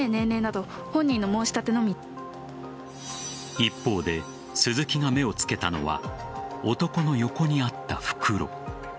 一方で、鈴木が目をつけたのは男の横にあった袋。